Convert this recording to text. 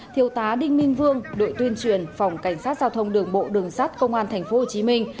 thiếu tá đinh minh vương đội tuyên truyền phòng cảnh sát giao thông đường bộ đường sát công an thành phố hồ chí minh